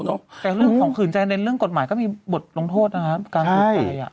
แต่เรื่องของขืนใจในเรื่องกฎหมายก็มีบทลงโทษนะครับการถูกตี